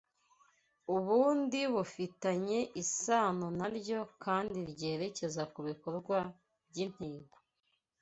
ubundi bufitanye isano naryo kandi ryerekeza kubikorwa byintego